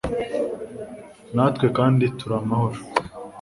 natwe kandi turi amahoro